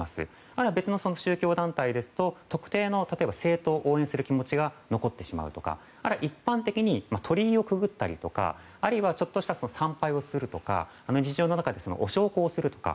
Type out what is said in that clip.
あるいは別の宗教団体ですと特定の政党を応援する気持ちが残ってしまうとかあるいは一般的に鳥居をくぐったりとかちょっとした参拝をするとかお焼香をするとか。